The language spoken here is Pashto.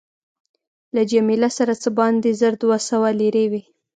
له جميله سره څه باندې زر دوه سوه لیرې وې.